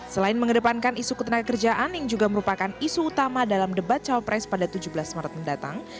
selain mengedepankan isu ketenaga kerjaan yang juga merupakan isu utama dalam debat calon pres pada tujuh belas maret mendatang